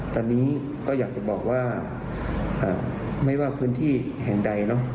ตอนนี้ก็อยากจะบอกว่าไม่ว่าพื้นที่แห่งใดเนอะ